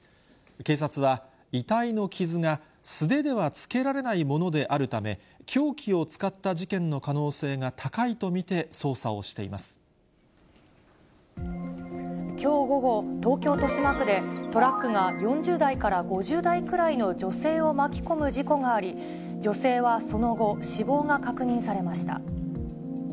警察は、遺体の傷が素手ではつけられないものであるため、凶器を使った事件の可能性が高いと見てきょう午後、東京・豊島区で、トラックが４０代から５０代くらいの女性を巻き込む事故があり、女性はその後、死亡が確認されました。